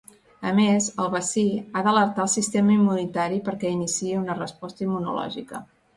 A més, el vaccí ha d'alertar el sistema immunitari perquè iniciï una resposta immunològica.